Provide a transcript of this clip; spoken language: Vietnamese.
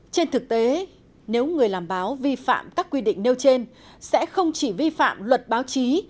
trên thực tế nếu người làm báo vi phạm các quy định nêu trên sẽ không chỉ vi phạm luật báo chí